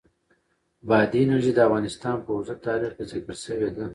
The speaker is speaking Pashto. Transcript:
بادي انرژي د افغانستان په اوږده تاریخ کې ذکر شوې ده.